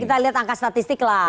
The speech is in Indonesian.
kita lihat angka statistik lah